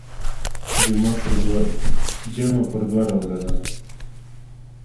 جمعه پر دوه ډوله ده.